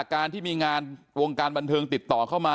การที่มีงานวงการบันเทิงติดต่อเข้ามา